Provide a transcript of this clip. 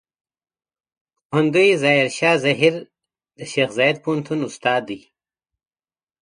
پوهندوی ظاهر شاه زهير د شیخ زايد پوهنتون استاد دی.